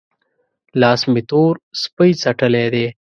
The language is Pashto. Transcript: لاس مې تور سپۍ څټلی دی؟